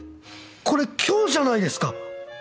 これ今日じゃないですか！